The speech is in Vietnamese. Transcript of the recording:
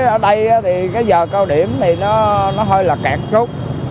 ở đây giờ cao điểm hơi là kẹt rút